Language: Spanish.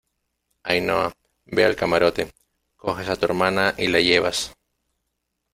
Ainhoa, ve al camarote , coges a tu hermana y la llevas